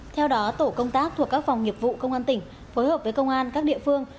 theo đó tổ công tác thuộc các phòng nghiệp vụ công an tỉnh phối hợp với công an các địa phương